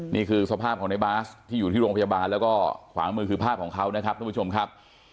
นี่คือสภาพของในบาสที่อยู่ที่โรงพยาบาลแล้วก็ขวามือคือภาพของเขานะครับทุกผู้ชมครับ